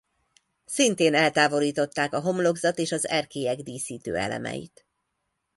Szintén eltávolították a homlokzat és az erkélyek díszítőelemeit.